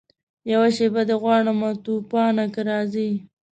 یوه شېبه دي غواړمه توپانه که راځې